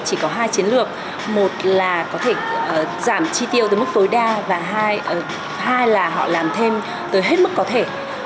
chỉ có hai chiến lược một là có thể giảm chi tiêu tới mức tối đa và hai là họ làm thêm tới hết mức có thể